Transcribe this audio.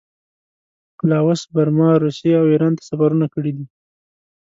لاوس، برما، روسیې او ایران ته سفرونه کړي دي.